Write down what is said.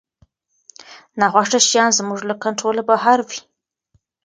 ناخوښه شیان زموږ له کنټروله بهر وي.